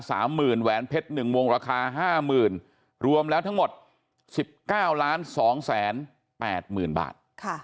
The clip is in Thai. แผ่นแหวนเพชร๑โมงราคา๕๐๐๐๐รวมแล้วทั้งหมด๑๙๒๘๐๐๐บาท